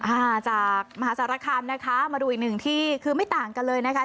อ่าจากมหาสารคามนะคะมาดูอีกหนึ่งที่คือไม่ต่างกันเลยนะคะ